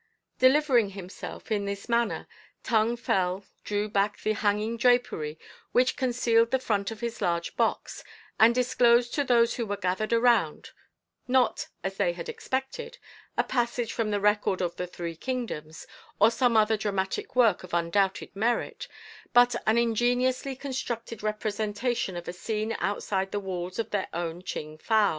Delivering himself in this manner, Tung Fel drew back the hanging drapery which concealed the front of his large box, and disclosed to those who were gathered round, not, as they had expected, a passage from the Record of the Three Kingdoms, or some other dramatic work of undoubted merit, but an ingeniously constructed representation of a scene outside the walls of their own Ching fow.